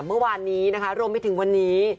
เมื่อวานนี้รวมที่ถึงวันนี้